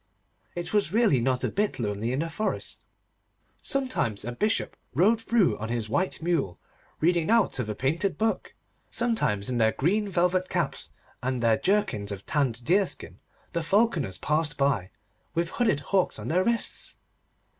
It was really not a bit lonely in the forest. Sometimes a Bishop rode through on his white mule, reading out of a painted book. Sometimes in their green velvet caps, and their jerkins of tanned deerskin, the falconers passed by, with hooded hawks on their wrists.